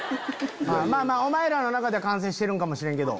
お前らの中では完成してるんかもしれんけど。